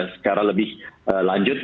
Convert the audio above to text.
secara lebih lanjut